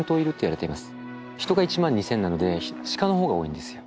人が１万２，０００なのでシカの方が多いんですよ。